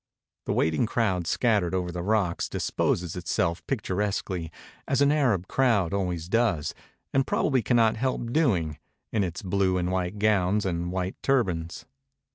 The waiting crowd scattered over the rocks disposes itself picturesquely, as an Arab crowd always does, and probably cannot help doing, in its blue and white gowns and white turbans.